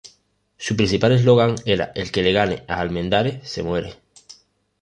Su principal eslogan era "el que le gane al Almendares se muere".